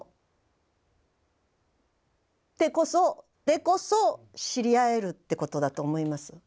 でこそ知り合えるってことだと思います。